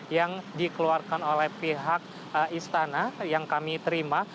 yang dikeluarkan oleh pihak istana yang kami terima